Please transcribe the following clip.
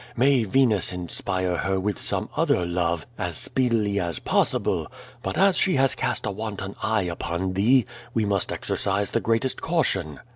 May Venus inspire her with some other love as speedily as possible! But as she has cast a wanton eye upon thee, we must exercise the greatest caution.